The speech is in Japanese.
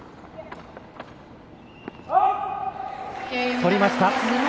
取りました。